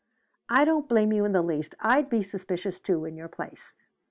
"I don't blame you in the least. I'd be suspicious, too, in your place.